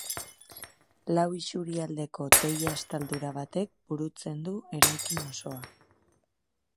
Lau isurialdeko teila-estaldura batek burutzen du eraikin osoa.